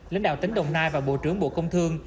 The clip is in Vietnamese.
lãnh đạo tỉnh đồng nai và bộ trưởng bộ công thương